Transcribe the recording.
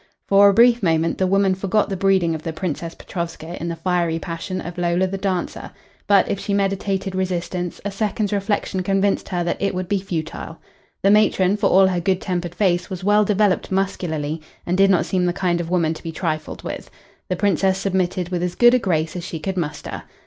For a brief moment the woman forgot the breeding of the Princess Petrovska in the fiery passion of Lola the dancer. But if she meditated resistance, a second's reflection convinced her that it would be futile. The matron, for all her good tempered face, was well developed muscularly, and did not seem the kind of woman to be trifled with. The Princess submitted with as good a grace as she could muster.